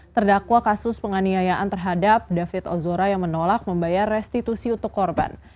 terdakwa kasus penganiayaan terhadap david ozora yang menolak membayar restitusi untuk korban